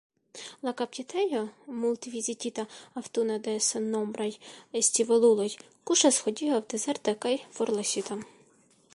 La kaptitejo, multvizitita aŭtune de sennombraj scivoluloj, kuŝas hodiaŭ dezerta kaj forlasita.